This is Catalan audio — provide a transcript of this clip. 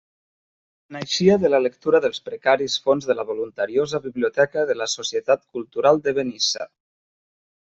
Naixia de la lectura dels precaris fons de la voluntariosa biblioteca de la Societat Cultural de Benissa.